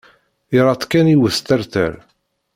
Irra-tt kan i wesṭerṭer.